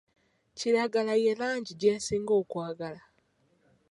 Kiragala ye langi gye nsinga okwagala.